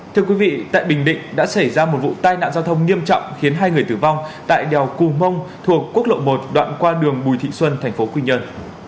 thưa quý vị tại bình định đã xảy ra một vụ tai nạn giao thông nghiêm trọng khiến hai người tử vong tại đèo cù mông thuộc quốc lộ một đoạn qua đường bùi thị xuân thành phố quy nhơn